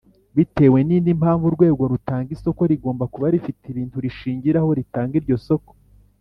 bitewe n indi mpamvu urwego rutanga isoko rigomba kuba rifite ibintu rishingiraho ritanga iryo soko